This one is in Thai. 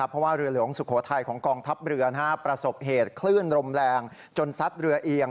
เพราะว่าเรือหลวงสุโขทัยของกองทัพเรือประสบเหตุคลื่นลมแรงจนซัดเรือเอียง